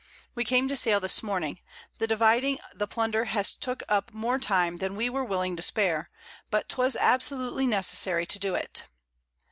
We came to sail this Morning; the dividing the Plunder has took up more Time than we were willing to spare; but 'twas absolutely necessary to do it.